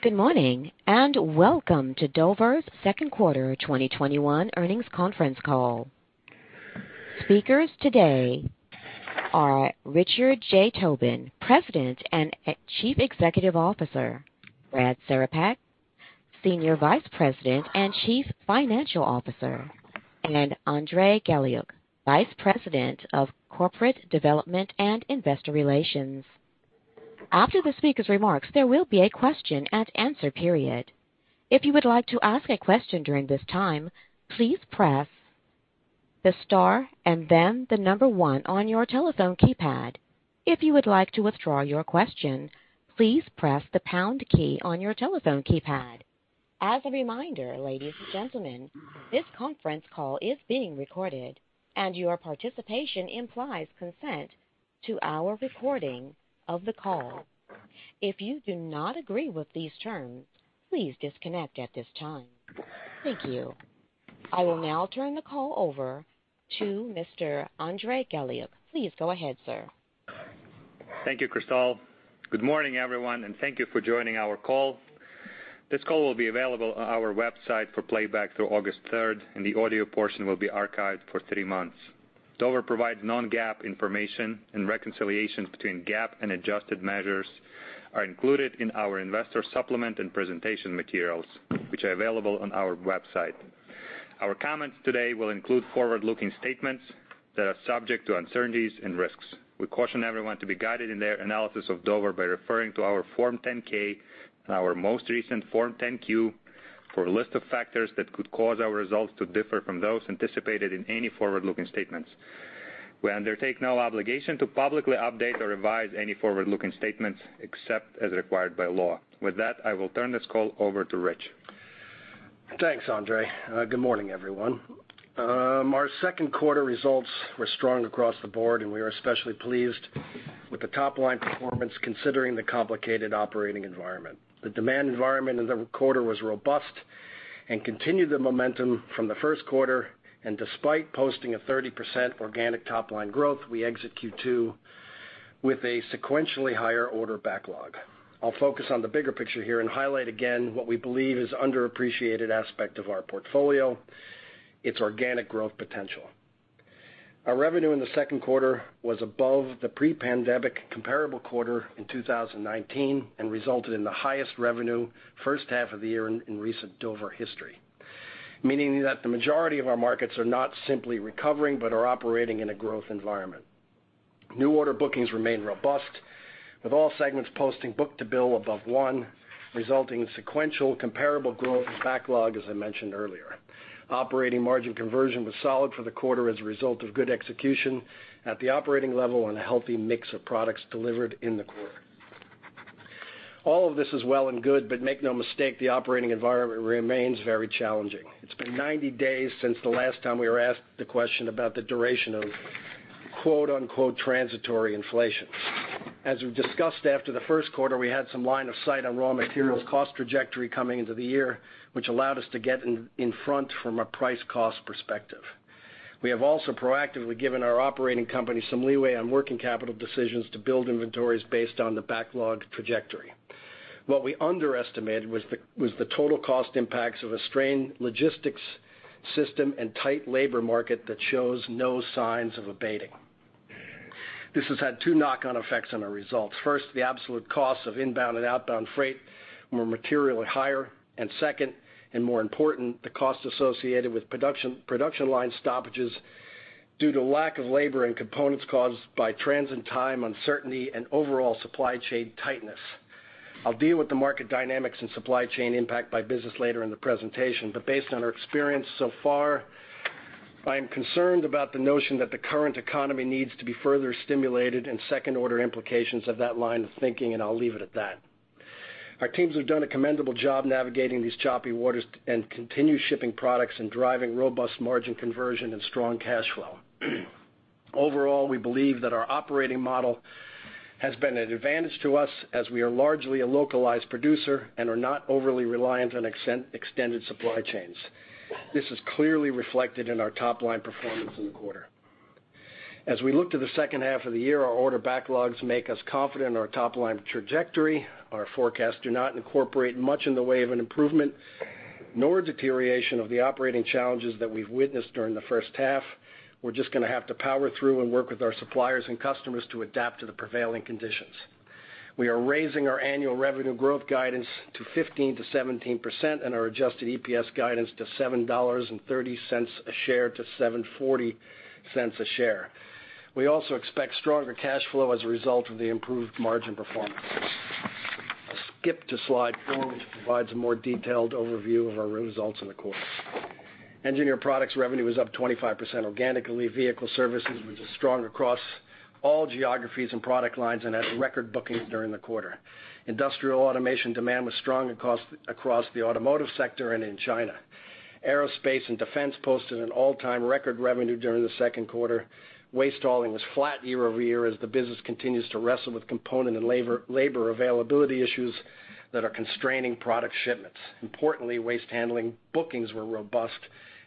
Good morning, and welcome to Dover's second quarter 2021 earnings conference call. Speakers today are Richard J. Tobin, President and Chief Executive Officer, Brad Cerepak, Senior Vice President and Chief Financial Officer, and Andrey Galiuk, Vice President of Corporate Development and Investor Relations. After the speakers' remarks, there will be a question and answer period. If you would like to ask a question during this time, please press the star and then the number one on your telephone keypad. If you would like to withdraw your question, please press the pound key on your telephone keypad. As a reminder, ladies and gentlemen, this conference call is being recorded, and your participation implies consent to our recording of the call. If you do not agree with these terms, please disconnect at this time. Thank you. I will now turn the call over to Mr. Andrey Galiuk. Please go ahead, sir. Thank you, Crystal. Good morning, everyone, and thank you for joining our call. This call will be available on our website for playback through August 3rd, and the audio portion will be archived for three months. Dover provides non-GAAP information and reconciliations between GAAP and adjusted measures are included in our investor supplement and presentation materials, which are available on our website. Our comments today will include forward-looking statements that are subject to uncertainties and risks. We caution everyone to be guided in their analysis of Dover by referring to our Form 10-K and our most recent Form 10-Q for a list of factors that could cause our results to differ from those anticipated in any forward-looking statements. We undertake no obligation to publicly update or revise any forward-looking statements except as required by law. With that, I will turn this call over to Rich. Thanks, Andrey. Good morning, everyone. Our second quarter results were strong across the board, and we are especially pleased with the top-line performance considering the complicated operating environment. The demand environment in the quarter was robust and continued the momentum from the first quarter, and despite posting a 30% organic top-line growth, we exit Q2 with a sequentially higher order backlog. I'll focus on the bigger picture here and highlight again what we believe is underappreciated aspect of our portfolio, its organic growth potential. Our revenue in the second quarter was above the pre-pandemic comparable quarter in 2019 and resulted in the highest revenue first half of the year in recent Dover history, meaning that the majority of our markets are not simply recovering but are operating in a growth environment. New order bookings remain robust, with all segments posting book-to-bill above one, resulting in sequential comparable growth and backlog, as I mentioned earlier. Operating margin conversion was solid for the quarter as a result of good execution at the operating level and a healthy mix of products delivered in the quarter. All of this is well and good, but make no mistake, the operating environment remains very challenging. It's been 90 days since the last time we were asked the question about the duration of quote, unquote, transitory inflation. As we've discussed after the first quarter, we had some line of sight on raw materials cost trajectory coming into the year, which allowed us to get in front from a price cost perspective. We have also proactively given our operating company some leeway on working capital decisions to build inventories based on the backlog trajectory. What we underestimated was the total cost impacts of a strained logistics system and tight labor market that shows no signs of abating. This has had two knock-on effects on our results. First, the absolute cost of inbound and outbound freight were materially higher, and second, and more important, the cost associated with production line stoppages due to lack of labor and components caused by transient time, uncertainty, and overall supply chain tightness. I'll deal with the market dynamics and supply chain impact by business later in the presentation. Based on our experience so far, I am concerned about the notion that the current economy needs to be further stimulated and second-order implications of that line of thinking. I'll leave it at that. Our teams have done a commendable job navigating these choppy waters and continue shipping products and driving robust margin conversion and strong cash flow. Overall, we believe that our operating model has been an advantage to us as we are largely a localized producer and are not overly reliant on extended supply chains. This is clearly reflected in our top-line performance in the quarter. As we look to the second half of the year, our order backlogs make us confident in our top-line trajectory. Our forecasts do not incorporate much in the way of an improvement nor deterioration of the operating challenges that we've witnessed during the first half. We're just going to have to power through and work with our suppliers and customers to adapt to the prevailing conditions. We are raising our annual revenue growth guidance to 15%-17% and our adjusted EPS guidance to $7.30 a share-$7.40 a share. We also expect stronger cash flow as a result of the improved margin performance. I'll skip to slide four, which provides a more detailed overview of our results in the quarter. Engineered Products revenue was up 25% organically. Vehicle Services was strong across all geographies and product lines and had record bookings during the quarter. Industrial automation demand was strong across the automotive sector and in China. Aerospace & Defense posted an all-time record revenue during the second quarter. Waste handling was flat year-over-year as the business continues to wrestle with component and labor availability issues that are constraining product shipments. Importantly, waste handling bookings were robust,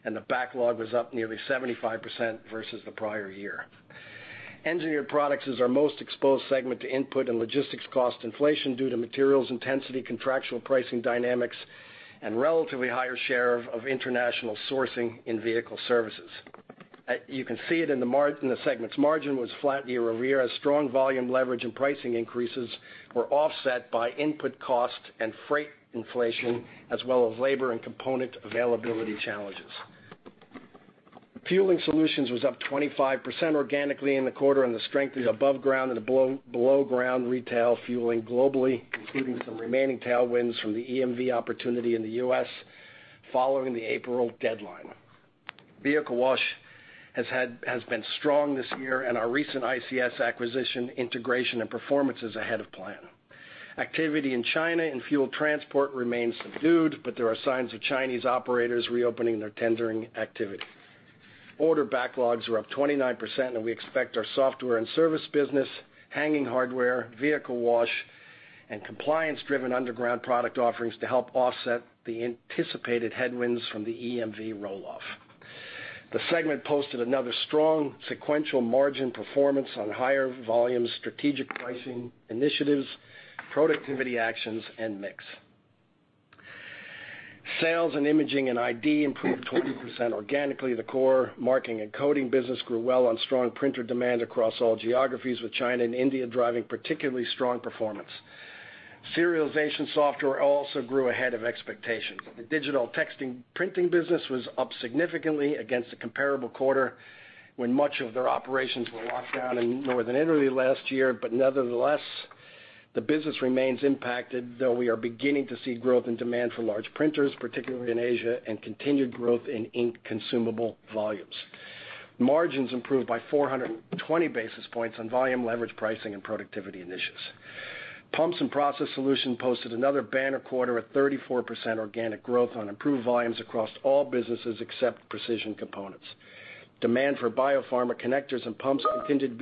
and the backlog was up nearly 75% versus the prior year. Engineered Products is our most exposed segment to input and logistics cost inflation due to materials intensity, contractual pricing dynamics, and relatively higher share of international sourcing in Vehicle Services. You can see it in the segment's margin was flat year-over-year as strong volume leverage and pricing increases were offset by input cost and freight inflation, as well as labor and component availability challenges. Fueling Solutions was up 25% organically in the quarter, and the strength is above ground and below ground retail fueling globally, including some remaining tailwinds from the EMV opportunity in the U.S. following the April deadline. Vehicle wash has been strong this year, and our recent ICS acquisition integration and performance is ahead of plan. Activity in China and fuel transport remains subdued, but there are signs of Chinese operators reopening their tendering activity. Order backlogs were up 29%, and we expect our software and service business, hanging hardware, vehicle wash, and compliance-driven underground product offerings to help offset the anticipated headwinds from the EMV roll-off. The segment posted another strong sequential margin performance on higher volumes, strategic pricing initiatives, productivity actions, and mix. Sales in Imaging & ID improved 20% organically. The core marking and coding business grew well on strong printer demand across all geographies, with China and India driving particularly strong performance. Serialization software also grew ahead of expectations. The digital textile printing business was up significantly against a comparable quarter when much of their operations were locked down in northern Italy last year. Nevertheless, the business remains impacted, though we are beginning to see growth in demand for large printers, particularly in Asia, and continued growth in ink consumable volumes. Margins improved by 420 basis points on volume leverage pricing and productivity initiatives. Pumps & Process Solutions posted another banner quarter at 34% organic growth on improved volumes across all businesses except Precision Components. Demand for biopharma connectors and pumps continued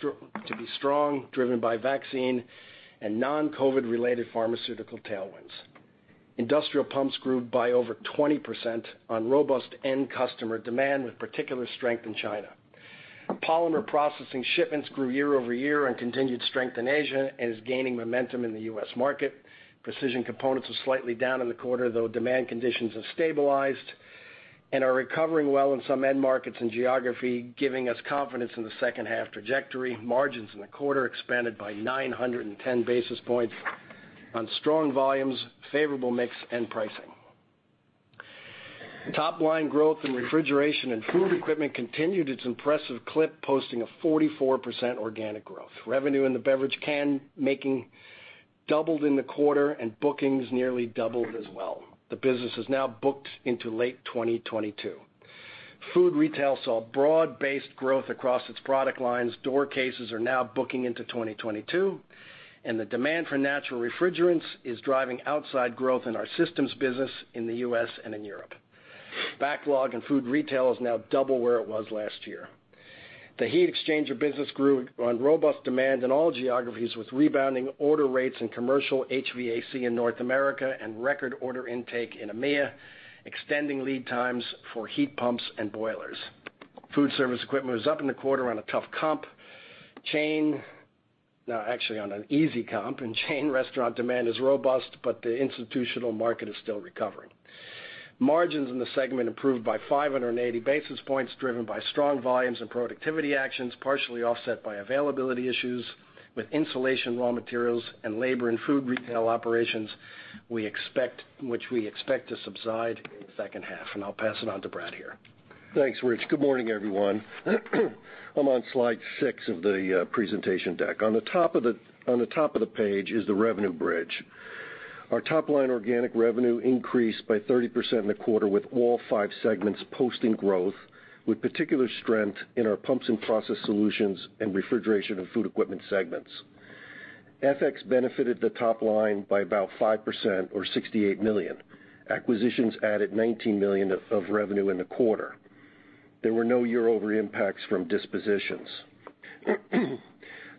to be strong, driven by vaccine and non-COVID related pharmaceutical tailwinds. Industrial pumps grew by over 20% on robust end customer demand, with particular strength in China. Polymer processing shipments grew year-over-year and continued strength in Asia and is gaining momentum in the U.S. market. Precision Components were slightly down in the quarter, though demand conditions have stabilized and are recovering well in some end markets and geography, giving us confidence in the second half trajectory. Margins in the quarter expanded by 910 basis points on strong volumes, favorable mix, and pricing. Top line growth in Refrigeration & Food Equipment continued its impressive clip, posting a 44% organic growth. Revenue in the beverage can making doubled in the quarter, and bookings nearly doubled as well. The business is now booked into late 2022. Food retail saw broad-based growth across its product lines. Door cases are now booking into 2022. The demand for natural refrigerants is driving outsized growth in our systems business in the U.S. and in Europe. Backlog in food retail is now double where it was last year. The heat exchanger business grew on robust demand in all geographies, with rebounding order rates in commercial HVAC in North America and record order intake in EMEA, extending lead times for heat pumps and boilers. Foodservice equipment was up in the quarter on a tough comp. No, actually on an easy comp. Chain restaurant demand is robust, the institutional market is still recovering. Margins in the segment improved by 580 basis points, driven by strong volumes and productivity actions, partially offset by availability issues with insulation, raw materials, and labor in food retail operations, which we expect to subside in the second half. I'll pass it on to Brad here. Thanks, Rich. Good morning, everyone. I'm on slide six of the presentation deck. On the top of the page is the revenue bridge. Our top line organic revenue increased by 30% in the quarter, with all five segments posting growth, with particular strength in our Pumps & Process Solutions and Refrigeration & Food Equipment segments. FX benefited the top line by about 5% or $68 million. Acquisitions added $19 million of revenue in the quarter. There were no year-over impacts from dispositions.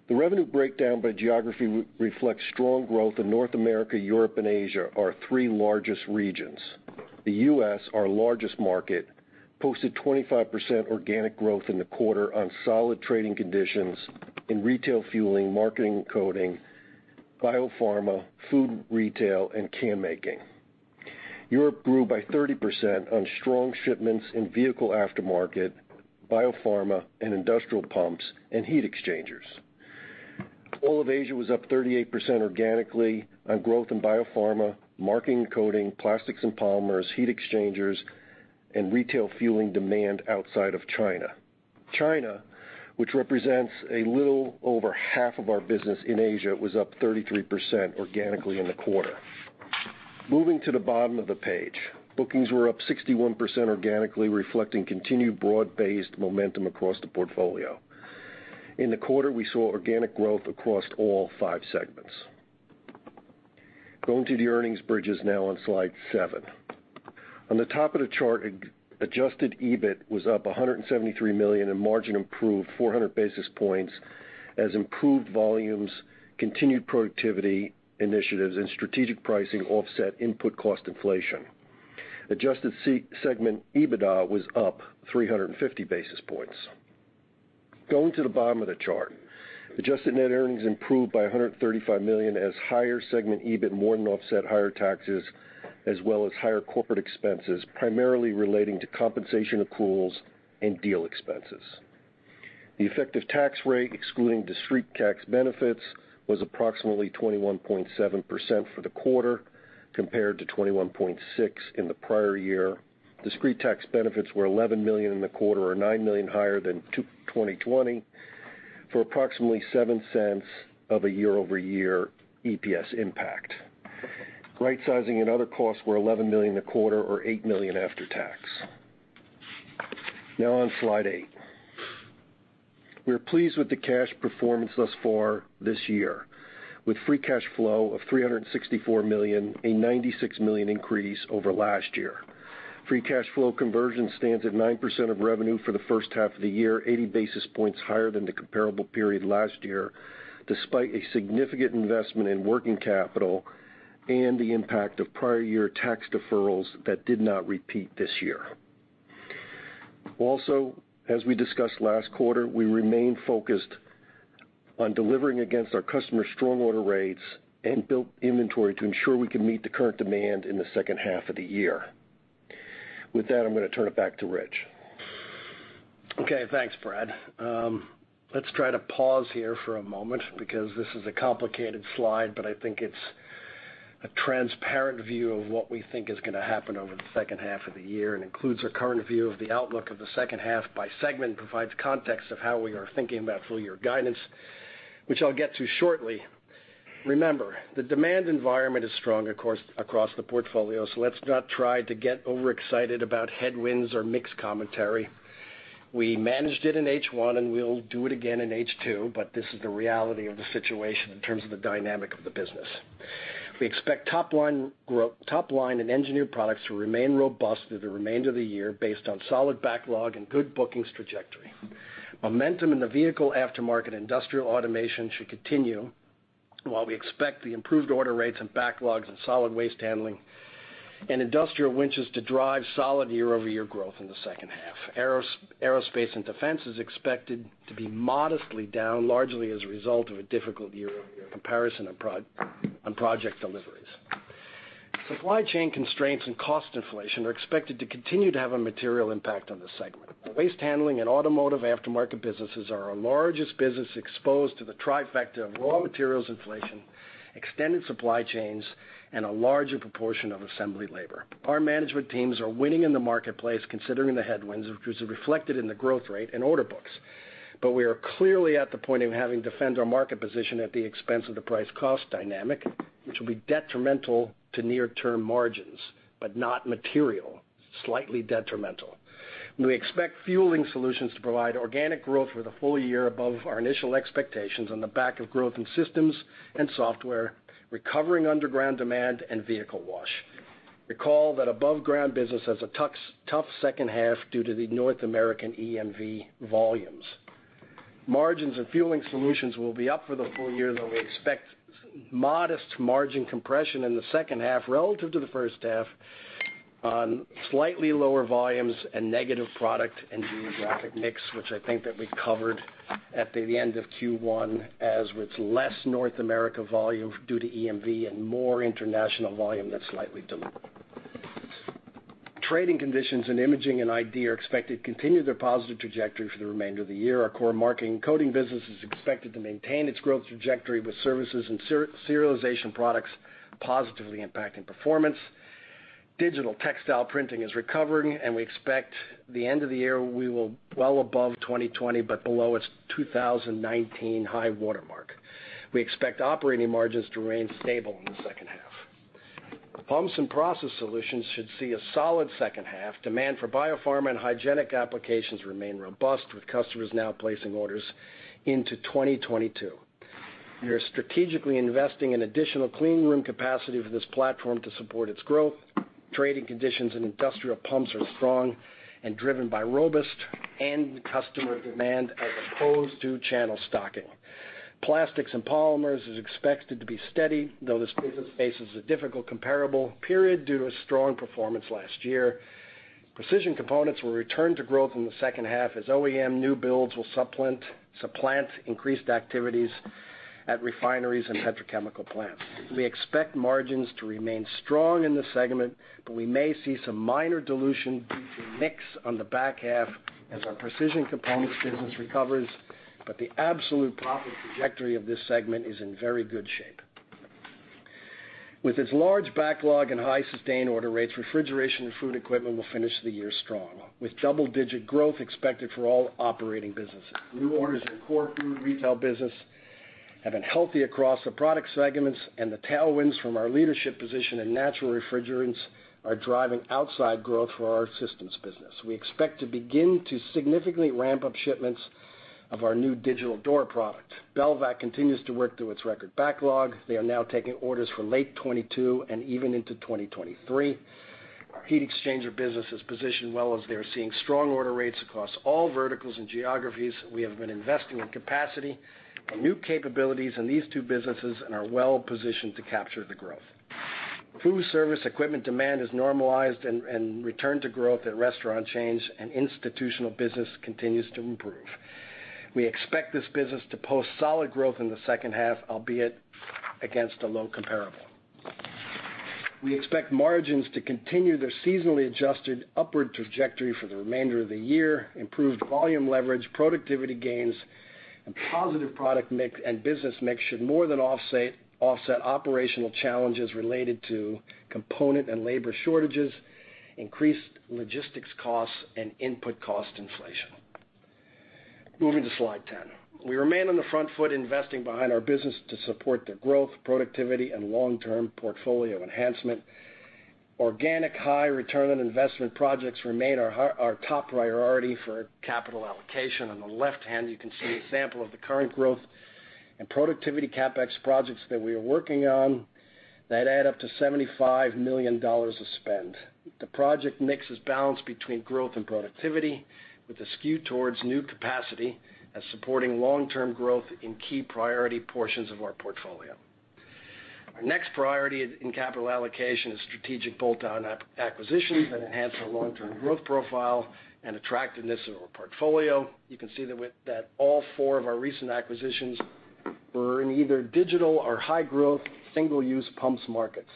The revenue breakdown by geography reflects strong growth in North America, Europe, and Asia, our three largest regions. The U.S., our largest market, posted 25% organic growth in the quarter on solid trading conditions in retail fueling, marking and coding, biopharma, food retail, and beverage can making. Europe grew by 30% on strong shipments in vehicle aftermarket, biopharma, and industrial pumps, and heat exchangers. All of Asia was up 38% organically on growth in biopharma, marking and coding, plastics and polymers, heat exchangers, and retail fueling demand outside of China. China, which represents a little over half of our business in Asia, was up 33% organically in the quarter. Moving to the bottom of the page, bookings were up 61% organically, reflecting continued broad-based momentum across the portfolio. In the quarter, we saw organic growth across all five segments. Going to the earnings bridges now on slide seven. On the top of the chart, adjusted EBIT was up $173 million, and margin improved 400 basis points as improved volumes, continued productivity initiatives, and strategic pricing offset input cost inflation. Adjusted segment EBITDA was up 350 basis points. Going to the bottom of the chart, adjusted net earnings improved by $135 million as higher segment EBIT more than offset higher taxes as well as higher corporate expenses, primarily relating to compensation accruals and deal expenses. The effective tax rate, excluding discrete tax benefits, was approximately 21.7% for the quarter, compared to 21.6% in the prior year. Discrete tax benefits were $11 million in the quarter, or $9 million higher than 2020, for approximately $0.07 of a year-over-year EPS impact. Rightsizing and other costs were $11 million in the quarter, or $8 million after tax. Now, on slide eight. We are pleased with the cash performance thus far this year, with free cash flow of $364 million, a $96 million increase over last year. Free cash flow conversion stands at 9% of revenue for the first half of the year, 80 basis points higher than the comparable period last year, despite a significant investment in working capital and the impact of prior year tax deferrals that did not repeat this year. As we discussed last quarter, we remain focused on delivering against our customer's strong order rates and build inventory to ensure we can meet the current demand in the second half of the year. With that, I'm going to turn it back to Rich. Okay, thanks, Brad. Let's try to pause here for a moment, because this is a complicated slide, but I think it's a transparent view of what we think is going to happen over the second half of the year and includes our current view of the outlook of the second half by segment, and provides context of how we are thinking about full-year guidance, which I'll get to shortly. Remember, the demand environment is strong, of course, across the portfolio, so let's not try to get overexcited about headwinds or mixed commentary. We managed it in H1, and we'll do it again in H2, but this is the reality of the situation in terms of the dynamic of the business. We expect top line in Engineered Products to remain robust through the remainder of the year based on solid backlog and good bookings trajectory. Momentum in the vehicle aftermarket industrial automation should continue, while we expect the improved order rates and backlogs in solid waste handling and industrial winches to drive solid year-over-year growth in the second half. Aerospace & Defense is expected to be modestly down, largely as a result of a difficult year-over-year comparison on project deliveries. Supply chain constraints and cost inflation are expected to continue to have a material impact on this segment. The waste handling and automotive aftermarket businesses are our largest business exposed to the trifecta of raw materials inflation, extended supply chains, and a larger proportion of assembly labor. Our management teams are winning in the marketplace, considering the headwinds, which is reflected in the growth rate and order books. We are clearly at the point of having to defend our market position at the expense of the price-cost dynamic, which will be detrimental to near-term margins, not material. Slightly detrimental. We expect Fueling Solutions to provide organic growth for the full year above our initial expectations on the back of growth in systems and software, recovering underground demand, and vehicle wash. Recall that above ground business has a tough second half due to the North American EMV volumes. Margins in Fueling Solutions will be up for the full year, though we expect modest margin compression in the second half relative to the first half on slightly lower volumes and negative product and geographic mix, which I think that we covered at the end of Q1, as with less North America volume due to EMV and more international volume that's slightly dilutive. Trading conditions in Imaging & ID are expected to continue their positive trajectory for the remainder of the year. Our core marking and coding business is expected to maintain its growth trajectory, with services and serialization software positively impacting performance. Digital textile printing is recovering, and we expect the end of the year we will be well above 2020 but below its 2019 high watermark. We expect operating margins to remain stable in the second half. Pumps & Process Solutions should see a solid second half. Demand for biopharma and hygienic applications remain robust, with customers now placing orders into 2022. We are strategically investing in additional cleanroom capacity for this platform to support its growth. Trading conditions in industrial pumps are strong and driven by robust end customer demand as opposed to channel stocking. Plastics and polymers is expected to be steady, though this business faces a difficult comparable period due to a strong performance last year. Precision Components will return to growth in the second half as OEM new builds will supplant increased activities at refineries and petrochemical plants. We expect margins to remain strong in this segment, but we may see some minor dilution due to mix on the back half as our Precision Components business recovers, but the absolute profit trajectory of this segment is in very good shape. With its large backlog and high sustained order rates, Refrigeration & Food Equipment will finish the year strong, with double-digit growth expected for all operating businesses. New orders in core food retail business have been healthy across the product segments, and the tailwinds from our leadership position in natural refrigerants are driving outsized growth for our systems business. We expect to begin to significantly ramp up shipments of our new digital door product. Belvac continues to work through its record backlog. They are now taking orders for late 2022 and even into 2023. Our heat exchanger business is positioned well as they are seeing strong order rates across all verticals and geographies. We have been investing in capacity and new capabilities in these two businesses and are well-positioned to capture the growth. Foodservice equipment demand has normalized and returned to growth at restaurant chains, and institutional business continues to improve. We expect this business to post solid growth in the second half, albeit against a low comparable. We expect margins to continue their seasonally adjusted upward trajectory for the remainder of the year. Improved volume leverage, productivity gains, and positive product mix and business mix should more than offset operational challenges related to component and labor shortages, increased logistics costs, and input cost inflation. Moving to slide 10. We remain on the front foot, investing behind our business to support the growth, productivity, and long-term portfolio enhancement. Organic high return on investment projects remain our top priority for capital allocation. On the left-hand, you can see an example of the current growth and productivity CapEx projects that we are working on that add up to $75 million of spend. The project mix is balanced between growth and productivity, with a skew towards new capacity as supporting long-term growth in key priority portions of our portfolio. Our next priority in capital allocation is strategic bolt-on acquisitions that enhance our long-term growth profile and attractiveness of our portfolio. You can see that all four of our recent acquisitions were in either digital or high growth, single-use pumps markets.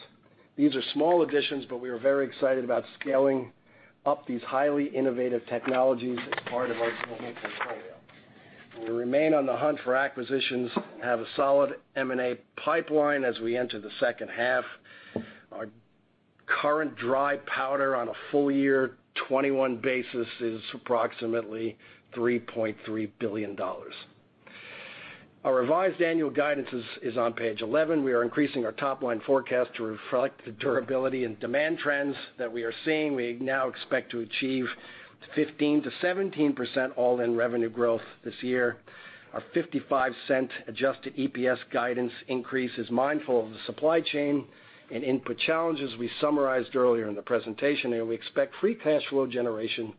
These are small additions. We are very excited about scaling up these highly innovative technologies as part of our global portfolio. We remain on the hunt for acquisitions and have a solid M&A pipeline as we enter the second half. Our current dry powder on a full year 2021 basis is approximately $3.3 billion. Our revised annual guidance is on page 11. We are increasing our top-line forecast to reflect the durability and demand trends that we are seeing. We now expect to achieve 15%-17% all-in revenue growth this year. Our $0.55 adjusted EPS guidance increase is mindful of the supply chain and input challenges we summarized earlier in the presentation. We expect free cash flow generation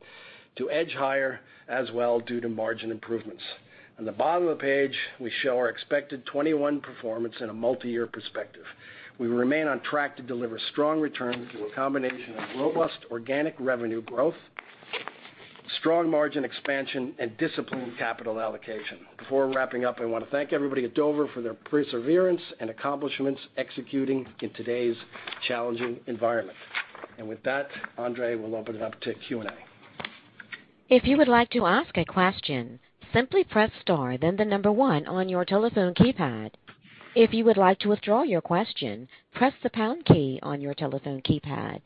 to edge higher as well due to margin improvements. On the bottom of the page, we show our expected 2021 performance in a multi-year perspective. We remain on track to deliver strong returns through a combination of robust organic revenue growth, strong margin expansion, and disciplined capital allocation. Before wrapping up, I want to thank everybody at Dover for their perseverance and accomplishments executing in today's challenging environment. With that, Andrey will open it up to Q&A. If you would like to ask a question, simply press star then the number one on your telephone keypad. If you would like to withdraw your question, press the pound key on your telephone keypad.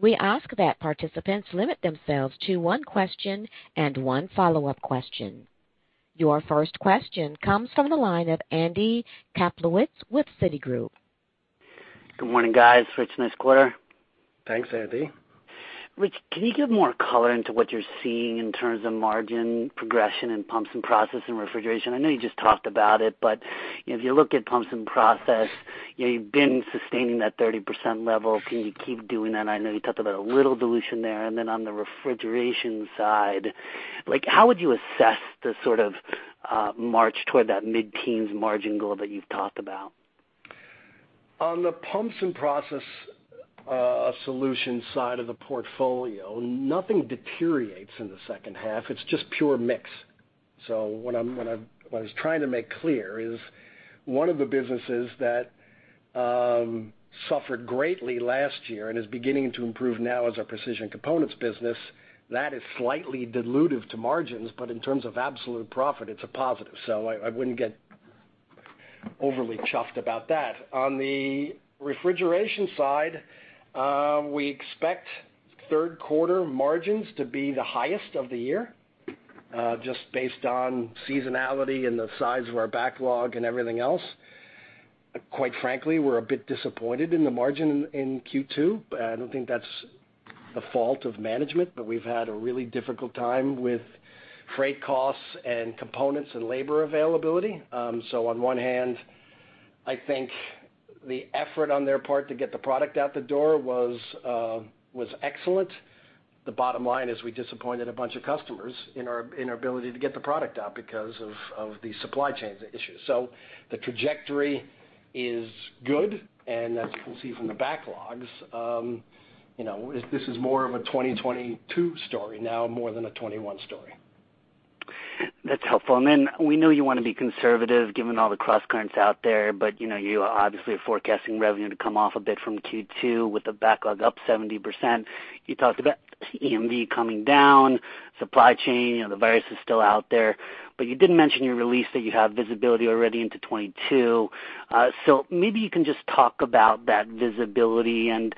We ask that participants limit themselves to one question and one follow-up question. Your first question comes from the line of Andy Kaplowitz with Citigroup. Good morning, guys. Rich, nice quarter. Thanks, Andy. Rich, can you give more color into what you're seeing in terms of margin progression in Pumps & Process and Refrigeration? I know you just talked about it. If you look at Pumps & Process, you've been sustaining that 30% level. Can you keep doing that? I know you talked about a little dilution there. On the Refrigeration side, how would you assess the sort of march toward that mid-teens margin goal that you've talked about? On the Pumps & Process Solutions side of the portfolio, nothing deteriorates in the second half. It's just pure mix. What I was trying to make clear is one of the businesses that suffered greatly last year and is beginning to improve now is our Precision Components business. That is slightly dilutive to margins, but in terms of absolute profit, it's a positive, so I wouldn't get overly chuffed about that. On the Refrigeration side, we expect third quarter margins to be the highest of the year, just based on seasonality and the size of our backlog and everything else. Quite frankly, we're a bit disappointed in the margin in Q2. I don't think that's the fault of management, but we've had a really difficult time with freight costs and components and labor availability. On one hand, I think the effort on their part to get the product out the door was excellent. The bottom line is we disappointed a bunch of customers in our ability to get the product out because of the supply chain issues. The trajectory is good, and as you can see from the backlogs, this is more of a 2022 story now more than a 2021 story. That's helpful. We know you want to be conservative given all the cross currents out there, you obviously are forecasting revenue to come off a bit from Q2 with the backlog up 70%. You talked about EMV coming down, supply chain, the virus is still out there, you did mention in your release that you have visibility already into 2022. Maybe you can just talk about that visibility and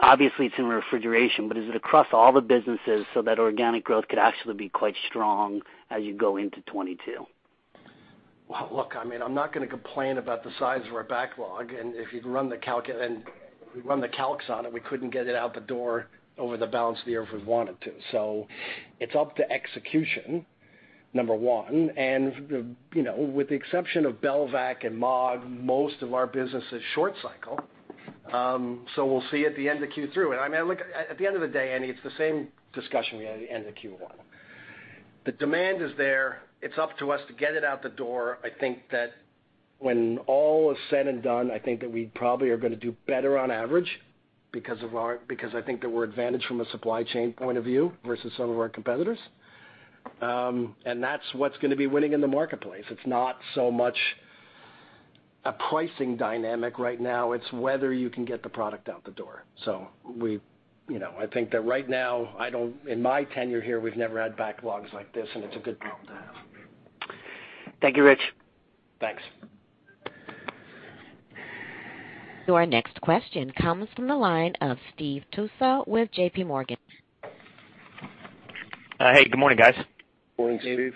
obviously it's in Refrigeration, but is it across all the businesses so that organic growth could actually be quite strong as you go into 2022? Well, look, I mean, I'm not going to complain about the size of our backlog, and if you run the calcs on it, we couldn't get it out the door over the balance of the year if we wanted to. It's up to execution, number one, with the exception of Belvac and Maag, most of our business is short cycle. We'll see at the end of Q3. Look, at the end of the day, Andy, it's the same discussion we had at the end of Q1. The demand is there. It's up to us to get it out the door. I think that when all is said and done, I think that we probably are going to do better on average because I think that we're advantaged from a supply chain point of view versus some of our competitors. That's what's going to be winning in the marketplace. It's not so much a pricing dynamic right now, it's whether you can get the product out the door. I think that right now, in my tenure here, we've never had backlogs like this, and it's a good problem to have. Thank you, Rich. Thanks. Your next question comes from the line of Steve Tusa with JPMorgan. Hey, good morning, guys. Morning, Steve.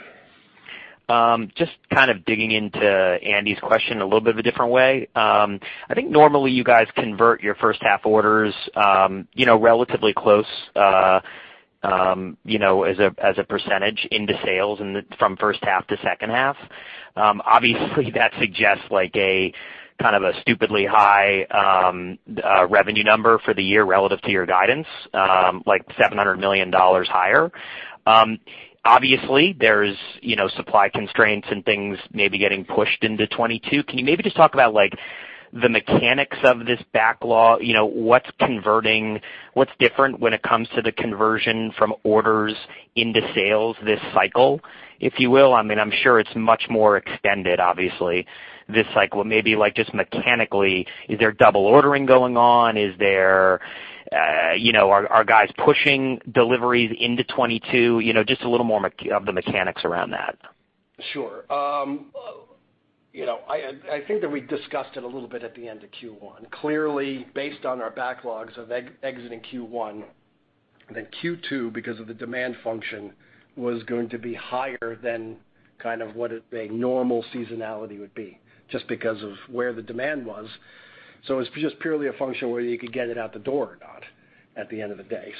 Just kind of digging into Andy's question a little bit of a different way. I think normally you guys convert your first half orders relatively close as a percentage into sales from first half to second half. That suggests a kind of a stupidly high revenue number for the year relative to your guidance, like $700 million higher. There's supply constraints and things maybe getting pushed into 2022. Can you maybe just talk about the mechanics of this backlog? What's different when it comes to the conversion from orders into sales this cycle, if you will? I'm sure it's much more extended, obviously, this cycle. Maybe just mechanically, is there double ordering going on? Are guys pushing deliveries into 2022? Just a little more of the mechanics around that. Sure. I think that we discussed it a little bit at the end of Q1. Clearly, based on our backlogs of exiting Q1, Q2, because of the demand function, was going to be higher than kind of what a normal seasonality would be, just because of where the demand was. It's just purely a function whether you could get it out the door or not at the end of the day.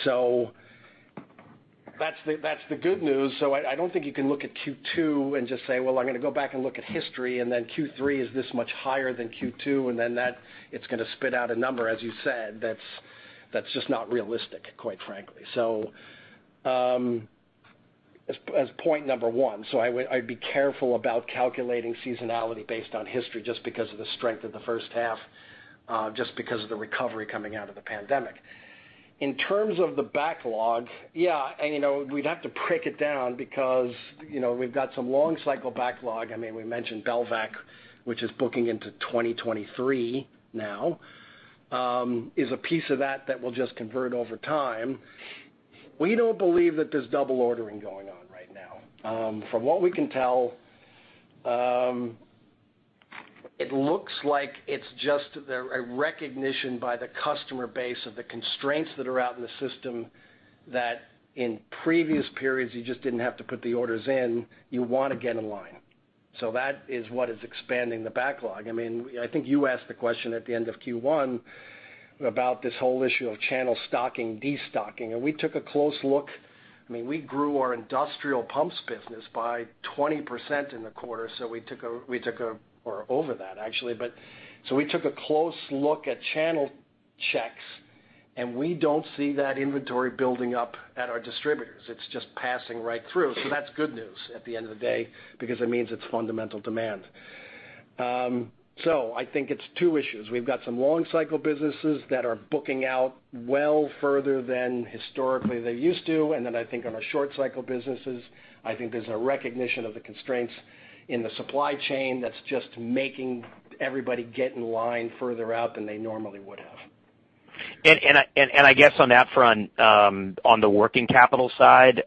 That's the good news. I don't think you can look at Q2 and just say, "Well, I'm going to go back and look at history, Q3 is this much higher than Q2," it's going to spit out a number, as you said. That's just not realistic, quite frankly. As point number one, I'd be careful about calculating seasonality based on history just because of the strength of the first half, just because of the recovery coming out of the pandemic. In terms of the backlog, we'd have to break it down because we've got some long cycle backlog. We mentioned Belvac, which is booking into 2023 now, is a piece of that that will just convert over time. We don't believe that there's double ordering going on right now. From what we can tell, it looks like it's just a recognition by the customer base of the constraints that are out in the system that in previous periods, you just didn't have to put the orders in. You want to get in line. That is what is expanding the backlog. I think you asked the question at the end of Q1 about this whole issue of channel stocking, de-stocking. We took a close look. We grew our industrial pumps business by 20% in the quarter, or over that, actually. We took a close look at channel checks. We don't see that inventory building up at our distributors. It's just passing right through. That's good news at the end of the day because it means it's fundamental demand. I think it's two issues. We've got some long cycle businesses that are booking out well further than historically they used to. I think on our short cycle businesses, I think there's a recognition of the constraints in the supply chain that's just making everybody get in line further out than they normally would have. I guess on that front, on the working capital side,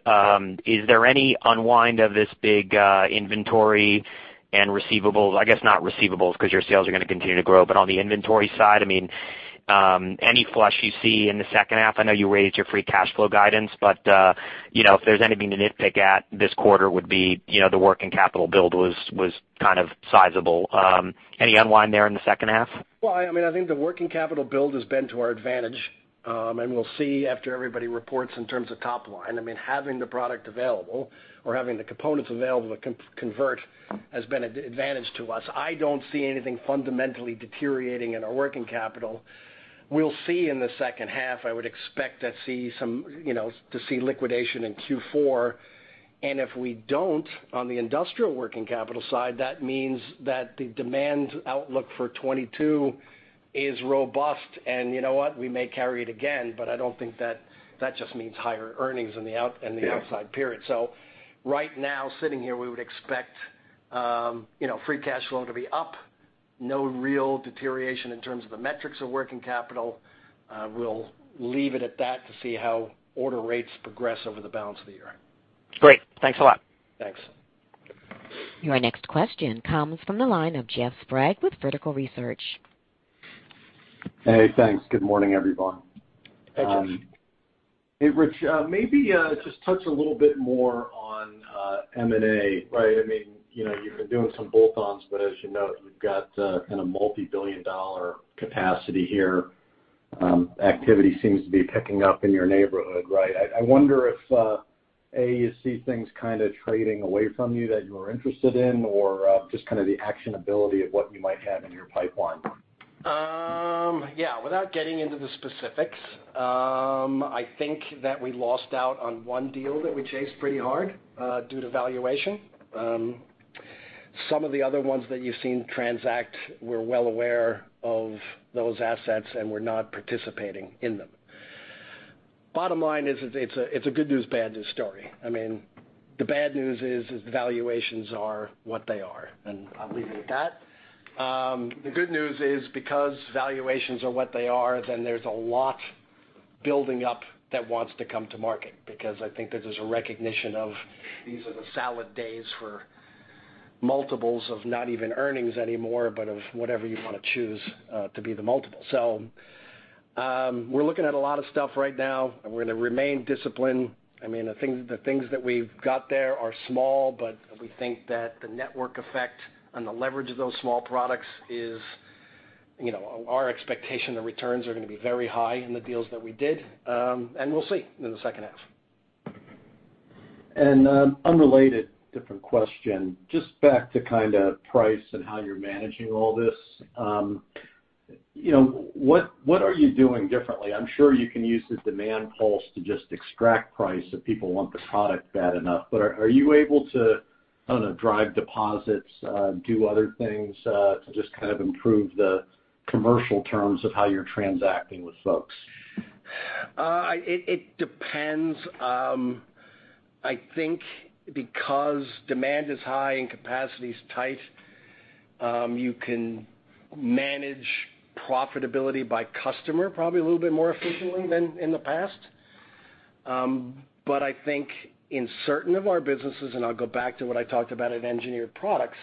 is there any unwind of this big inventory and receivables? I guess not receivables, because your sales are going to continue to grow. On the inventory side, any flush you see in the second half? I know you raised your free cash flow guidance, but if there's anything to nitpick at this quarter would be the working capital build was kind of sizable. Any unwind there in the second half? Well, I think the working capital build has been to our advantage, and we'll see after everybody reports in terms of top line. Having the product available or having the components available to convert has been an advantage to us. I don't see anything fundamentally deteriorating in our working capital. We'll see in the second half. I would expect to see liquidation in Q4. If we don't on the industrial working capital side, that means that the demand outlook for 2022 is robust, and you know what? We may carry it again, I don't think that just means higher earnings in the outsized period. Right now, sitting here, we would expect free cash flow to be up. No real deterioration in terms of the metrics of working capital. We'll leave it at that to see how order rates progress over the balance of the year. Great. Thanks a lot. Thanks. Your next question comes from the line of Jeff Sprague with Vertical Research. Hey, thanks. Good morning, everyone. Hey, Jeff. Hey, Rich. Maybe just touch a little bit more on M&A, right? You've been doing some bolt-ons, but as you know, you've got kind of multi-billion dollar capacity here, activity seems to be picking up in your neighborhood, right? I wonder if, A, you see things kind of trading away from you that you are interested in, or just kind of the actionability of what you might have in your pipeline? Without getting into the specifics, I think that we lost out on one deal that we chased pretty hard due to valuation. Some of the other ones that you've seen transact, we're well aware of those assets, and we're not participating in them. Bottom line is, it's a good news, bad news story. The bad news is, the valuations are what they are, and I'll leave it at that. The good news is because valuations are what they are, there's a lot building up that wants to come to market because I think that there's a recognition of these are the salad days for multiples of not even earnings anymore, but of whatever you want to choose to be the multiple. We're looking at a lot of stuff right now. We're going to remain disciplined. The things that we've got there are small, but we think that the network effect and the leverage of those small products is our expectation, the returns are going to be very high in the deals that we did. We'll see in the second half. Unrelated, different question, just back to price and how you're managing all this. What are you doing differently? I'm sure you can use the demand pulse to just extract price if people want the product bad enough. Are you able to drive deposits, do other things, to just kind of improve the commercial terms of how you're transacting with folks? It depends. I think because demand is high and capacity's tight, you can manage profitability by customer probably a little bit more efficiently than in the past. I think in certain of our businesses, and I'll go back to what I talked about at Engineered Products,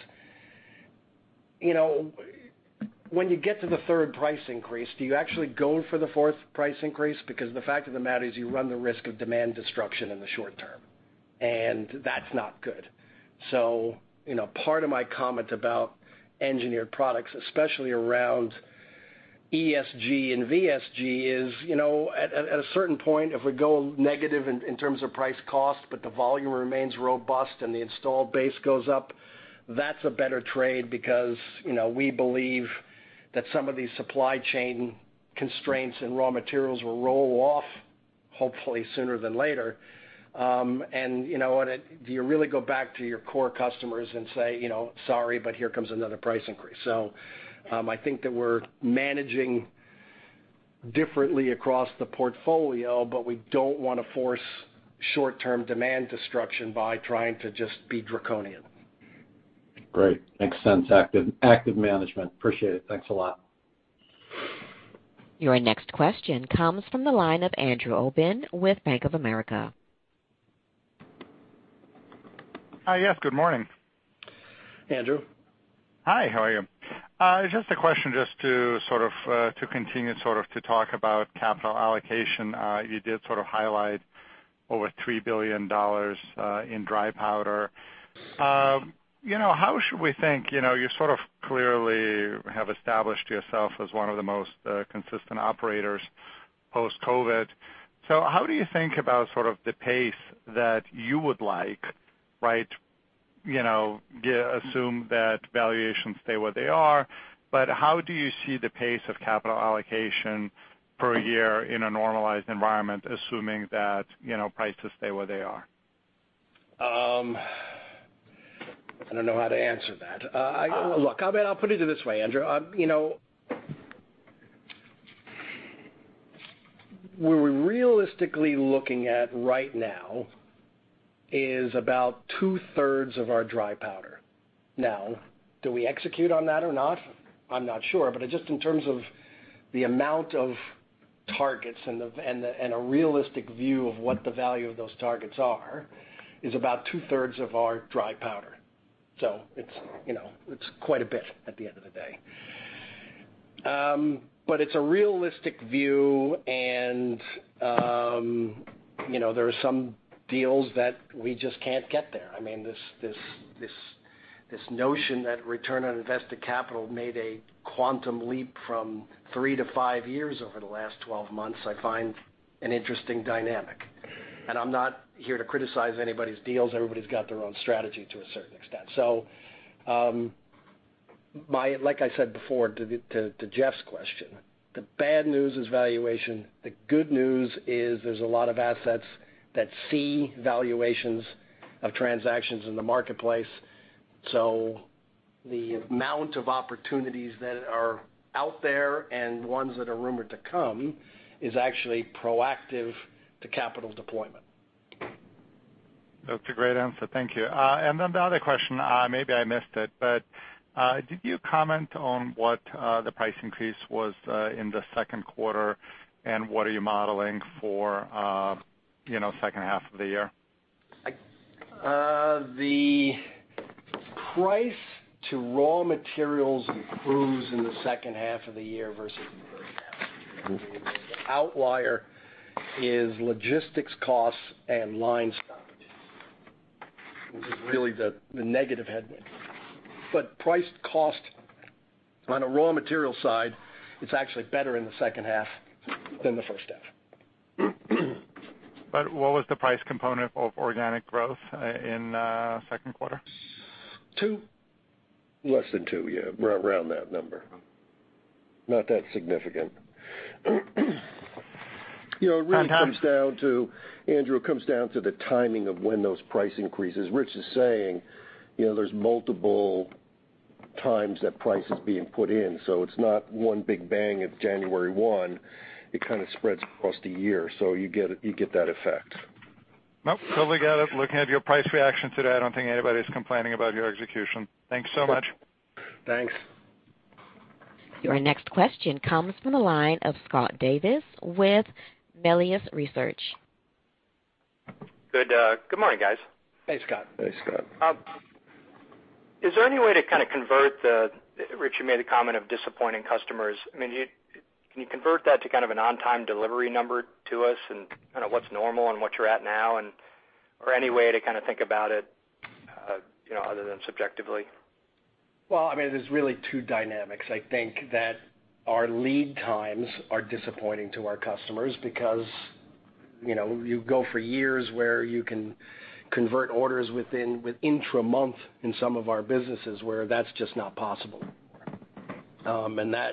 when you get to the third price increase, do you actually go for the fourth price increase? The fact of the matter is, you run the risk of demand destruction in the short term, and that's not good. Part of my comment about Engineered Products, especially around ESG and VSG, is at a certain point, if we go negative in terms of price cost, but the volume remains robust and the installed base goes up, that's a better trade because we believe that some of these supply chain constraints and raw materials will roll off hopefully sooner than later. Do you really go back to your core customers and say, "Sorry, but here comes another price increase." I think that we're managing differently across the portfolio, but we don't want to force short-term demand destruction by trying to just be draconian. Great. Makes sense. Active management. Appreciate it. Thanks a lot. Your next question comes from the line of Andrew Obin with Bank of America. Hi, yes, good morning. Andrew. Hi, how are you? Just a question just to continue to talk about capital allocation. You did highlight over $3 billion in dry powder. How should we think? You sort of clearly have established yourself as one of the most consistent operators post-COVID. How do you think about the pace that you would like, right? Assume that valuations stay where they are, but how do you see the pace of capital allocation per year in a normalized environment, assuming that prices stay where they are? I don't know how to answer that. Look, I'll put it this way, Andrew. What we're realistically looking at right now is about 2/3 of our dry powder. Do we execute on that or not? I'm not sure, but just in terms of the amount of targets and a realistic view of what the value of those targets are is about 2/3 of our dry powder. It's quite a bit at the end of the day. It's a realistic view, and there are some deals that we just can't get there. This notion that return on invested capital made a quantum leap from three to five years over the last 12 months, I find an interesting dynamic. I'm not here to criticize anybody's deals. Everybody's got their own strategy to a certain extent. Like I said before to Jeff's question, the bad news is valuation. The good news is there's a lot of assets that see valuations of transactions in the marketplace. The amount of opportunities that are out there and ones that are rumored to come is actually proactive to capital deployment. That's a great answer. Thank you. The other question, maybe I missed it, but did you comment on what the price increase was in the second quarter and what are you modeling for second half of the year? The price to raw materials improves in the second half of the year versus the first half. The outlier is logistics costs and line stops, really the negative headwind. Price cost on a raw material side, it's actually better in the second half than the first half. What was the price component of organic growth in second quarter? 2%. Less than 2%, yeah. Around that number. Not that significant. It really comes down to... Andrew, comes down to the timing of when those price increases. Rich is saying, there's multiple times that price is being put in, so it's not one big bang at January 1, it kind of spreads across the year. You get that effect. Nope, totally got it. Looking at your price reaction today, I don't think anybody's complaining about your execution. Thanks so much. Thanks. Your next question comes from the line of Scott Davis with Melius Research. Good morning, guys. Hey, Scott. Hey, Scott. Is there any way to kind of convert, Rich, you made a comment of disappointing customers? Can you convert that to kind of an on-time delivery number to us and kind of what's normal and what you're at now? Any way to kind of think about it other than subjectively? Well, there's really two dynamics. I think that our lead times are disappointing to our customers because you go for years where you can convert orders within a month in some of our businesses where that's just not possible anymore.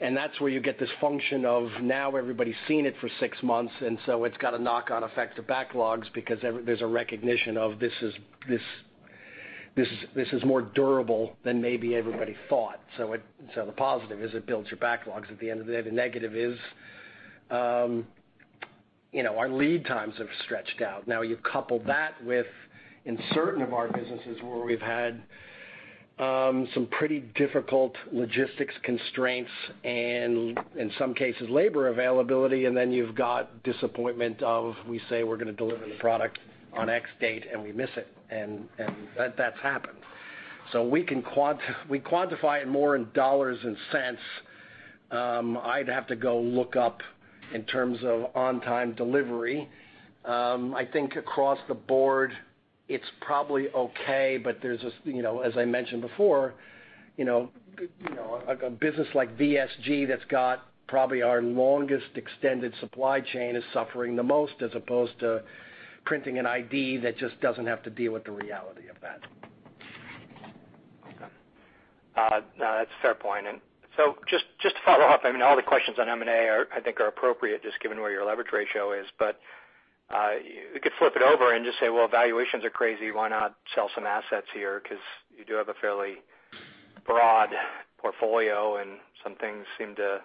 That's where you get this function of now everybody's seen it for six months, and so it's got a knock-on effect to backlogs because there's a recognition of this is more durable than maybe everybody thought. The positive is it builds your backlogs at the end of the day. The negative is our lead times have stretched out. You couple that with in certain of our businesses where we've had some pretty difficult logistics constraints and in some cases, labor availability, and then you've got disappointment of, we say we're going to deliver the product on X date, and we miss it. That's happened. We quantify it more in dollars and cents. I'd have to go look up in terms of on-time delivery. I think across the board, it's probably okay, but as I mentioned before, a business like VSG that's got probably our longest extended supply chain is suffering the most, as opposed to printing an ID that just doesn't have to deal with the reality of that. Okay. No, that's a fair point. Just to follow up, all the questions on M&A I think are appropriate, just given where your leverage ratio is, but you could flip it over and just say, "Well, valuations are crazy. Why not sell some assets here?" Because you do have a fairly broad portfolio, and some things seem to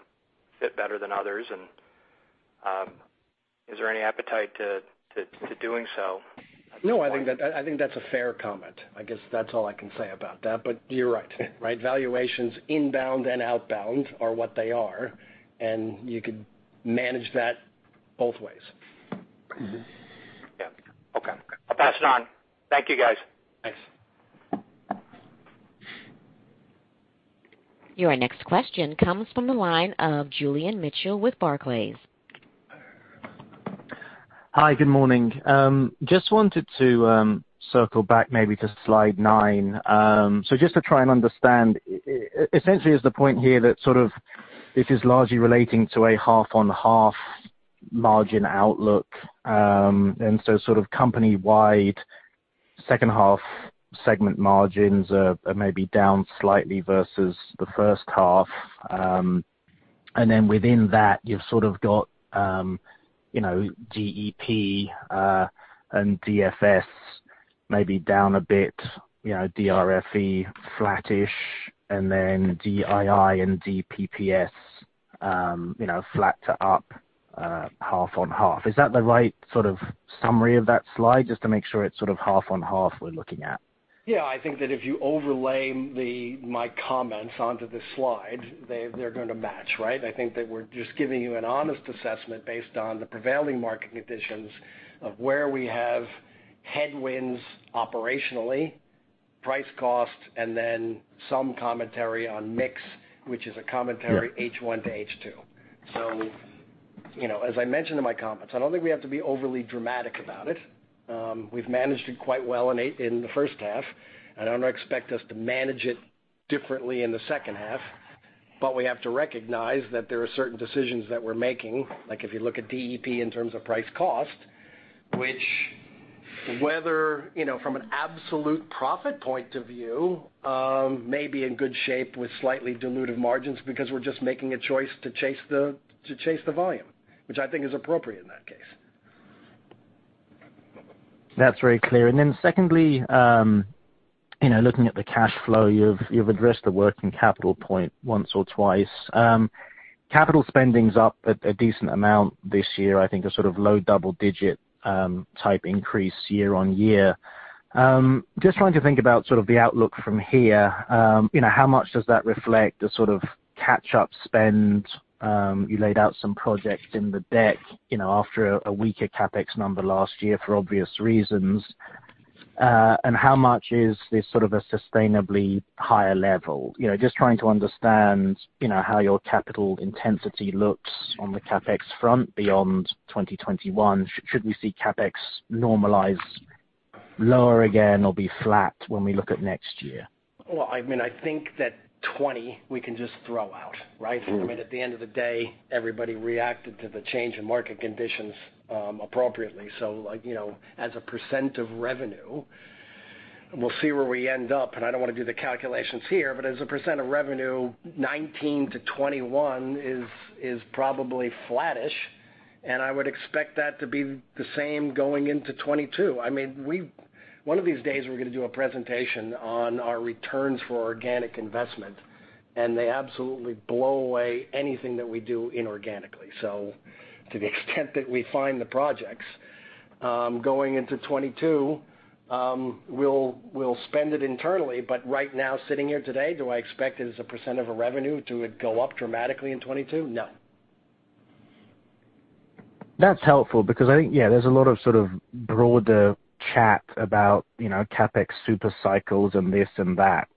fit better than others. Is there any appetite to doing so? No, I think that's a fair comment. I guess that's all I can say about that. You're right. Valuations inbound and outbound are what they are. You could manage that both ways. Mm-hmm. Yeah. Okay. I'll pass it on. Thank you, guys. Thanks. Your next question comes from the line of Julian Mitchell with Barclays. Hi, good morning. Just wanted to circle back maybe to slide nine. Just to try and understand, essentially is the point here that this is largely relating to a half-on-half margin outlook. Company-wide second half segment margins are maybe down slightly versus the first half. Within that, you've sort of got DEP and DFS maybe down a bit, DRFE flattish, DII and DPPS flat to up half-on-half. Is that the right sort of summary of that slide, just to make sure it's sort of half-on-half we're looking at? Yeah. I think that if you overlay my comments onto this slide, they're going to match, right? I think that we're just giving you an honest assessment based on the prevailing market conditions of where we have headwinds operationally, price cost, and then some commentary on mix, which is a commentary H1 to H2. As I mentioned in my comments, I don't think we have to be overly dramatic about it. We've managed it quite well in the first half, and I don't expect us to manage it differently in the second half. We have to recognize that there are certain decisions that we're making, like if you look at DEP in terms of price cost, which whether, from an absolute profit point of view, may be in good shape with slightly dilutive margins because we're just making a choice to chase the volume, which I think is appropriate in that case. That's very clear. Secondly, looking at the cash flow, you've addressed the working capital point once or twice. Capital spending's up a decent amount this year, I think a sort of low double-digit type increase year-on-year. Just trying to think about sort of the outlook from here. How much does that reflect a sort of catch-up spend? You laid out some projects in the deck after a weaker CapEx number last year for obvious reasons. How much is this sort of a sustainably higher level? Just trying to understand how your capital intensity looks on the CapEx front beyond 2021. Should we see CapEx normalize lower again or be flat when we look at next year? Well, I think that 2020 we can just throw out, right? At the end of the day, everybody reacted to the change in market conditions appropriately. As a % of revenue, we'll see where we end up, and I don't want to do the calculations here, but as a % of revenue, 2019 to 2021 is probably flattish, and I would expect that to be the same going into 2022. One of these days we're going to do a presentation on our returns for organic investment, and they absolutely blow away anything that we do inorganically. To the extent that we find the projects, going into 2022, we'll spend it internally, but right now, sitting here today, do I expect it, as a percent of a revenue, to go up dramatically in 2022? No. That's helpful because I think, there's a lot of sort of broader chat about CapEx super cycles and this and that,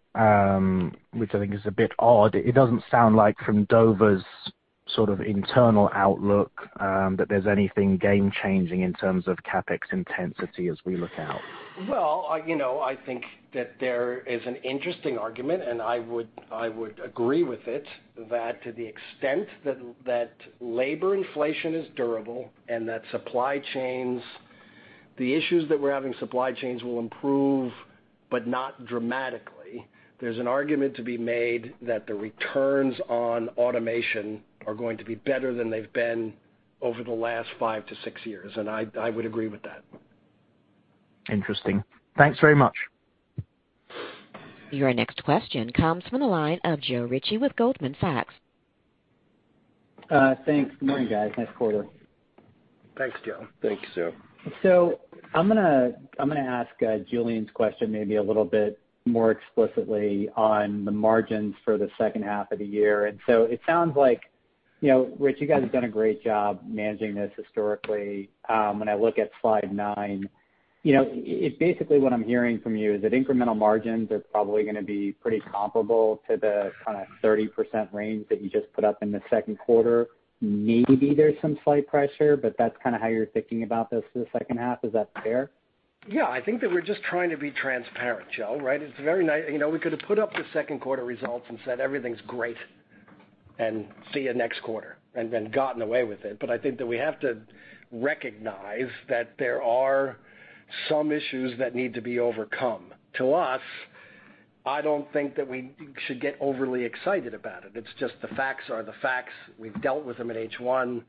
which I think is a bit odd. It doesn't sound like from Dover's sort of internal outlook that there's anything game changing in terms of CapEx intensity as we look out. Well, I think that there is an interesting argument, and I would agree with it, that to the extent that labor inflation is durable and that supply chains, the issues that we're having, supply chains will improve, but not dramatically. There's an argument to be made that the returns on automation are going to be better than they've been over the last five to six years, and I would agree with that. Interesting. Thanks very much. Your next question comes from the line of Joe Ritchie with Goldman Sachs. Thanks. Good morning, guys. Nice quarter. Thanks, Joe. Thanks, Joe. I'm going to ask Julian's question maybe a little bit more explicitly on the margins for the second half of the year. It sounds like, Rich, you guys have done a great job managing this historically. When I look at slide nine, basically what I'm hearing from you is that incremental margins are probably going to be pretty comparable to the kind of 30% range that you just put up in the second quarter. Maybe there's some slight pressure, but that's kind of how you're thinking about this for the second half. Is that fair? Yeah, I think that we're just trying to be transparent, Joe, right? We could've put up the second quarter results and said, "Everything's great, and see you next quarter." And then gotten away with it. I think that we have to recognize that there are some issues that need to be overcome. To us, I don't think that we should get overly excited about it. It's just the facts are the facts. We've dealt with them at H1.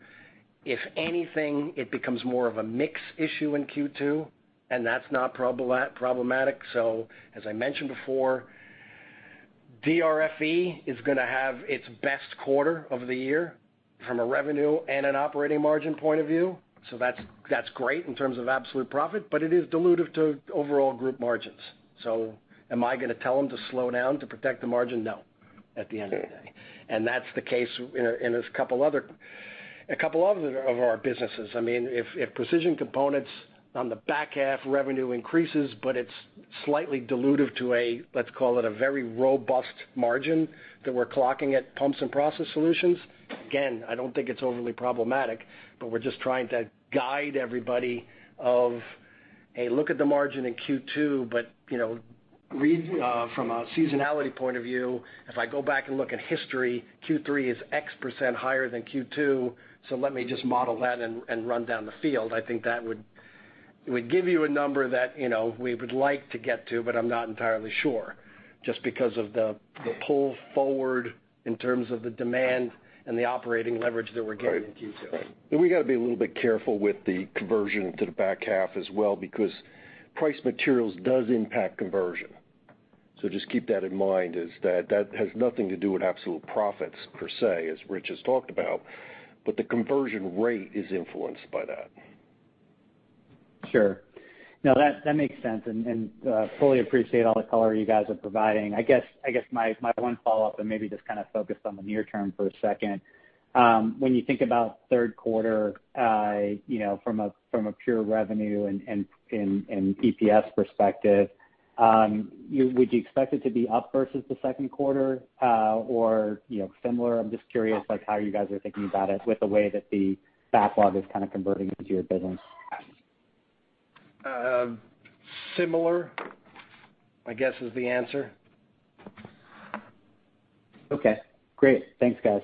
If anything, it becomes more of a mix issue in Q2, and that's not problematic. As I mentioned before, DRFE is going to have its best quarter of the year from a revenue and an operating margin point of view. That's great in terms of absolute profit, but it is dilutive to overall group margins. Am I going to tell them to slow down to protect the margin? No, at the end of the day. That's the case in a couple of our businesses. If Precision Components on the back half revenue increases, but it's slightly dilutive to a, let's call it, a very robust margin that we're clocking at Pumps & Process Solutions, again, I don't think it's overly problematic, but we're just trying to guide everybody of, "Hey, look at the margin in Q2." From a seasonality point of view, if I go back and look at history, Q3 is X% higher than Q2, so let me just model that and run down the field. I think that would give you a number that we would like to get to, but I'm not entirely sure just because of the pull forward in terms of the demand and the operating leverage that we're getting in Q2. We've got to be a little bit careful with the conversion to the back half as well because price materials does impact conversion. Just keep that in mind is that that has nothing to do with absolute profits per se, as Rich has talked about, but the conversion rate is influenced by that. Sure. No, that makes sense, and fully appreciate all the color you guys are providing. I guess my one follow-up, and maybe just kind of focused on the near term for a second. When you think about third quarter from a pure revenue and EPS perspective, would you expect it to be up versus the second quarter, or similar? I'm just curious, like how you guys are thinking about it with the way that the backlog is kind of converting into your business. Similar, I guess is the answer. Okay, great. Thanks, guys.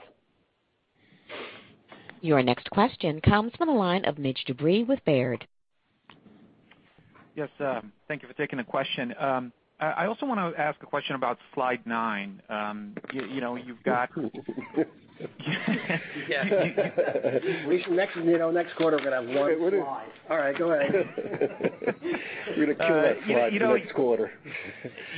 Your next question comes from the line of Mig Dobre with Baird. Yes. Thank you for taking the question. I also want to ask a question about slide nine. Yeah. Mig, next quarter we're going to have one slide. All right, go ahead. We're going to kill that slide next quarter.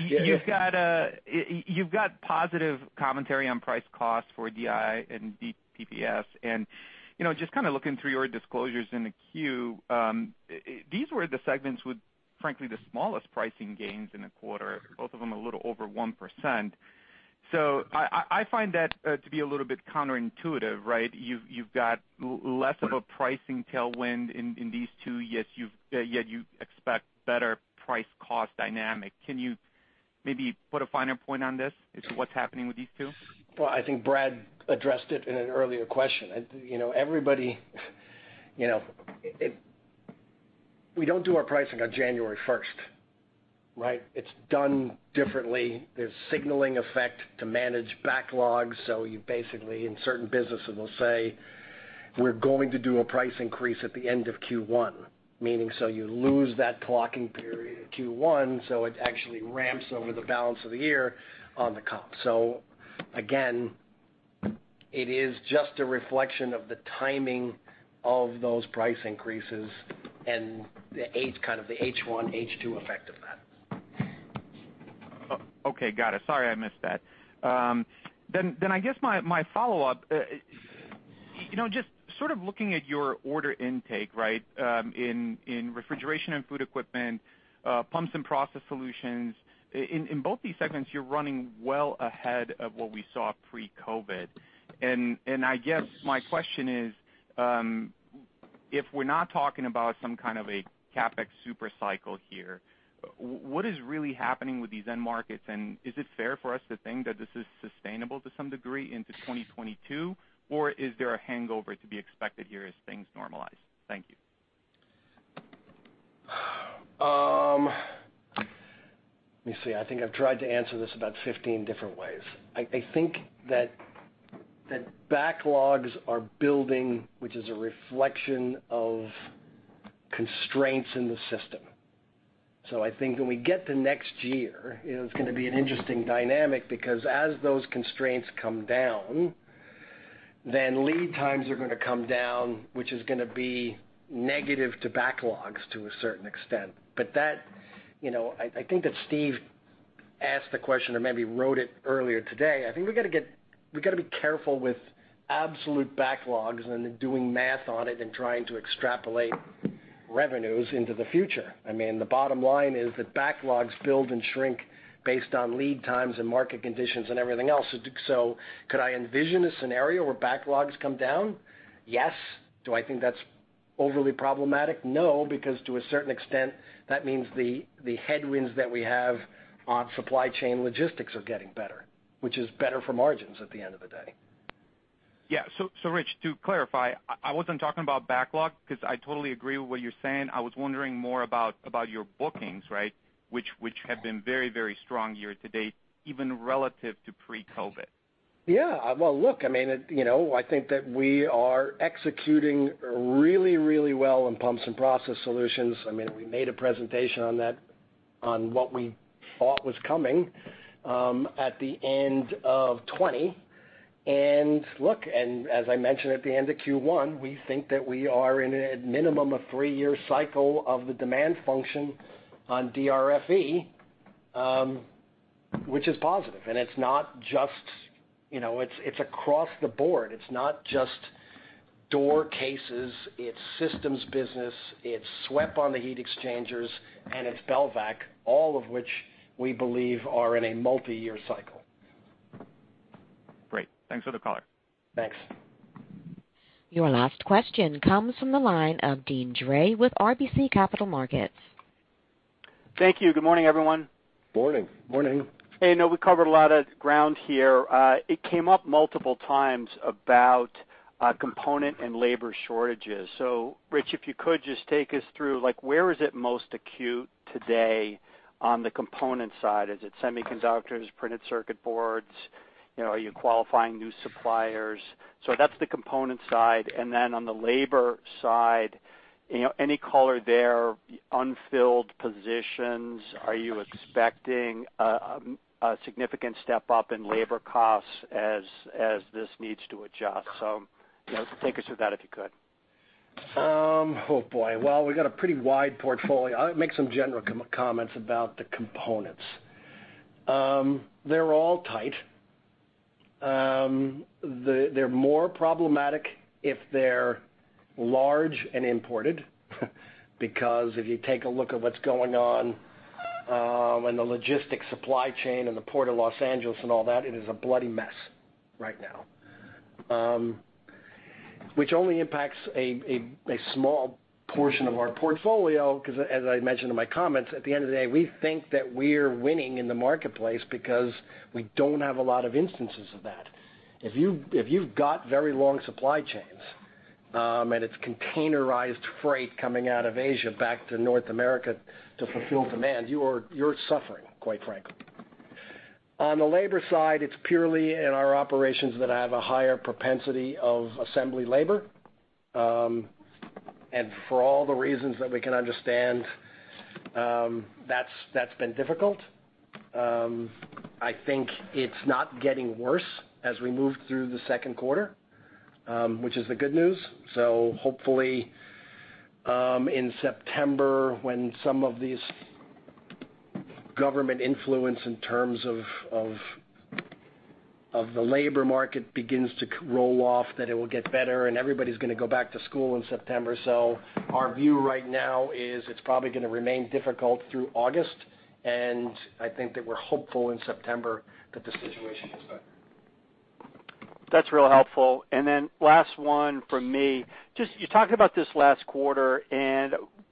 You've got positive commentary on price cost for DII and DPPS. Just kind of looking through your disclosures in the Q, these were the segments with, frankly, the smallest pricing gains in the quarter, both of them a little over 1%. I find that to be a little bit counterintuitive, right? You've got less of a pricing tailwind in these two, yet you expect better price cost dynamic. Can you, maybe put a finer point on this as to what's happening with these two? I think Brad addressed it in an earlier question. We don't do our pricing on January 1st, right? It's done differently. There's signaling effect to manage backlogs. You basically, in certain businesses, will say, "We're going to do a price increase at the end of Q1." Meaning, so you lose that clocking period of Q1, so it actually ramps over the balance of the year on the comp. Again, it is just a reflection of the timing of those price increases and kind of the H1, H2 effect of that. Okay. Got it. Sorry, I missed that. I guess my follow-up, just sort of looking at your order intake, right? In Refrigeration & Food Equipment, Pumps & Process Solutions, in both these segments, you're running well ahead of what we saw pre-COVID. I guess my question is, if we're not talking about some kind of a CapEx super cycle here, what is really happening with these end markets? Is it fair for us to think that this is sustainable to some degree into 2022? Is there a hangover to be expected here as things normalize? Thank you. Let me see. I think I've tried to answer this about 15 different ways. I think that backlogs are building, which is a reflection of constraints in the system. I think when we get to next year, it's going to be an interesting dynamic because as those constraints come down, then lead times are going to come down, which is going to be negative to backlogs to a certain extent. I think that Steve asked the question or maybe wrote it earlier today, I think we've got to be careful with absolute backlogs and then doing math on it and trying to extrapolate revenues into the future. The bottom line is that backlogs build and shrink based on lead times and market conditions and everything else. Could I envision a scenario where backlogs come down? Yes. Do I think that's overly problematic? No, because to a certain extent, that means the headwinds that we have on supply chain logistics are getting better, which is better for margins at the end of the day. Yeah. Rich, to clarify, I wasn't talking about backlog because I totally agree with what you're saying. I was wondering more about your bookings, right? Which have been very strong year-to-date, even relative to pre-COVID. Yeah. Well, look, I think that we are executing really well in Pumps & Process Solutions. We made a presentation on what we thought was coming at the end of 2020. Look, as I mentioned at the end of Q1, we think that we are in a minimum of three-year cycle of the demand function on DRFE, which is positive, and it's across the board. It's not just door cases, it's systems business, it's SWEP on the heat exchangers, and it's Belvac, all of which we believe are in a multi-year cycle. Great. Thanks for the color. Thanks. Your last question comes from the line of Deane Dray with RBC Capital Markets. Thank you. Good morning, everyone. Morning. Morning. I know we covered a lot of ground here. It came up multiple times about component and labor shortages. Rich, if you could just take us through, where is it most acute today on the component side? Is it semiconductors, printed circuit boards? Are you qualifying new suppliers? That's the component side, and then on the labor side, any color there, unfilled positions? Are you expecting a significant step up in labor costs as this needs to adjust? Just take us through that, if you could. Oh, boy. Well, we've got a pretty wide portfolio. I'll make some general comments about the components. They're all tight. They're more problematic if they're large and imported, because if you take a look at what's going on in the logistics supply chain and the Port of Los Angeles and all that, it is a bloody mess right now. Which only impacts a small portion of our portfolio, because as I mentioned in my comments, at the end of the day, we think that we're winning in the marketplace because we don't have a lot of instances of that. If you've got very long supply chains, and it's containerized freight coming out of Asia back to North America to fulfill demand, you're suffering, quite frankly. On the labor side, it's purely in our operations that have a higher propensity of assembly labor. For all the reasons that we can understand, that's been difficult. I think it's not getting worse as we move through the second quarter, which is the good news. Hopefully, in September, when some of these government influence in terms of the labor market begins to roll off, that it will get better, and everybody's going to go back to school in September. Our view right now is it's probably going to remain difficult through August, and I think that we're hopeful in September that the situation is better. That's real helpful. Then last one from me. You talked about this last quarter,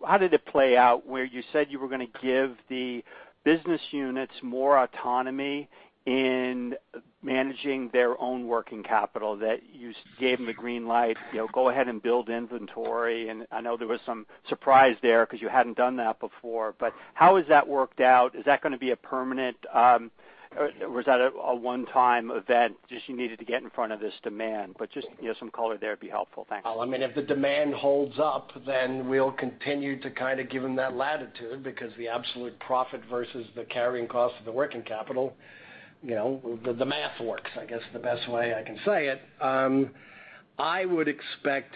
how did it play out where you said you were going to give the business units more autonomy in managing their own working capital, that you gave them the green light, go ahead and build inventory. I know there was some surprise there because you hadn't done that before, how has that worked out? Is that going to be a permanent or was that a one-time event, just you needed to get in front of this demand? Just some color there would be helpful. Thanks. Well, if the demand holds up, we'll continue to kind of give them that latitude because the absolute profit versus the carrying cost of the working capital, the math works, I guess the best way I can say it. I would expect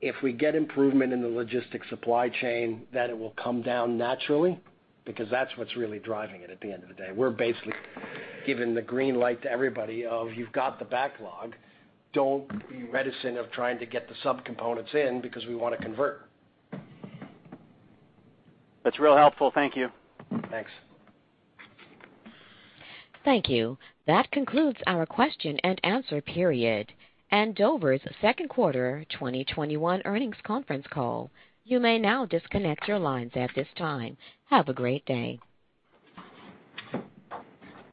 if we get improvement in the logistics supply chain, that it will come down naturally, because that's what's really driving it at the end of the day. We're basically giving the green light to everybody of you've got the backlog, don't be reticent of trying to get the subcomponents in because we want to convert. That's real helpful. Thank you. Thanks. Thank you. That concludes our question-and-answer period and Dover's second quarter 2021 earnings conference call. You may now disconnect your lines at this time. Have a great day.